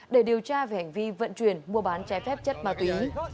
để điều tra về hành vi vận chuyển mua bán trái phép chất bà tí